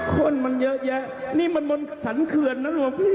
คนมันเยอะแยะนี่มันบนสรรเขื่อนนะหลวงพี่